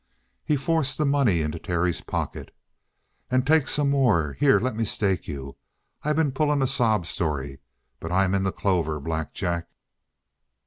He forced the money into Terry's pocket. "And take some more. Here; lemme stake you. I been pulling a sob story, but I'm in the clover, Black Jack.